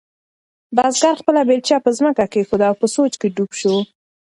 بزګر خپله بیلچه په ځمکه کېښوده او په سوچ کې ډوب شو.